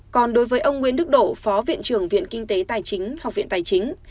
còn đối với ông nguyễn đức độ phó viện trưởng viện kinh tế tài chính học viện tài chính